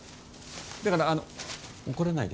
だから、あの、怒らないで。